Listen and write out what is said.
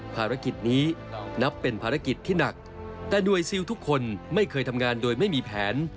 ภารกิจนี้นับเป็นภารกิจที่หนักแต่หน่วยซิลทุกคนไม่เคยทำงานโดยไม่มีแผน